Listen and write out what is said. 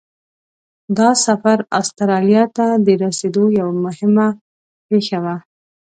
دا سفر استرالیا ته د رسېدو یوه مهمه پیښه وه.